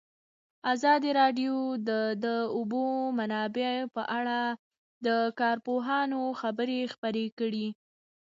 ازادي راډیو د د اوبو منابع په اړه د کارپوهانو خبرې خپرې کړي.